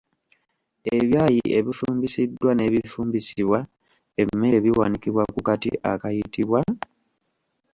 Ebyayi ebifumbisiddwa n'ebifumbisibwa emmere biwanikibwa ku kati akayitibwa?